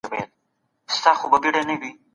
هغه علم چي پخوا انحصاري و اوس عام سوی دی.